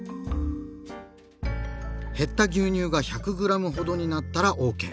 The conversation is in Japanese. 減った牛乳が１００ｇほどになったらＯＫ。